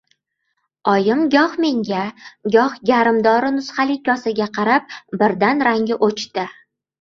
Oyim goh menga, goh «garimdori» nusxali kosaga qarab birdan rangi o‘chdi.